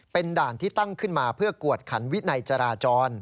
เป็นด่านที่ตั้งขึ้นมาเพื่อกวดขันวินัยจราจร